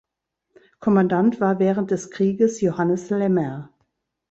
Kommandant war während des Krieges Johannes Lemmer.